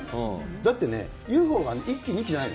だってね、ＵＦＯが１機、２機じゃないの。